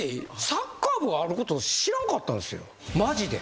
サッカー部があることを知らんかったんですよマジで。